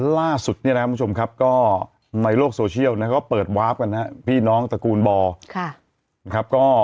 ล่าสุดในโลกโซเชียลก็เปิดวาร์ฟกันนะครับพี่น้องตระกูลบอร์